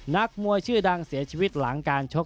นักมวยชื่อดังเสียชีวิตหลังการชก